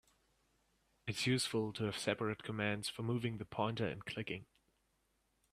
It's useful to have separate commands for moving the pointer and clicking.